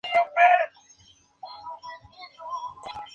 Contar historias en los tiempos modernos ha adquirido nuevos significados.